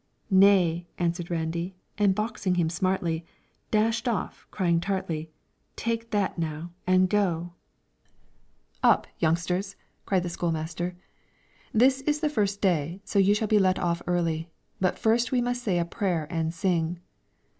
"Nay!" answered Randi, And boxing him smartly, Dashed off, crying tartly: "Take that now and go!" [Footnote 1: Auber Forestier's translation.] "Up, youngsters!" cried the school master; "this is the first day, so you shall be let off early; but first we must say a prayer and sing."